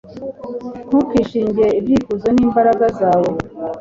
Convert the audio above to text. ntukishinge ibyifuzo n'imbaraga zawe